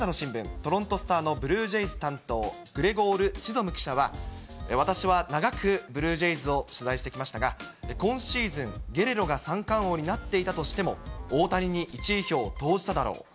トロント・スターのグレゴール・チゾム記者は、私は長くブルージェイズを取材してきましたが、今シーズン、ゲレーロが三冠王になっていたとしても大谷に１位票を投じただろう。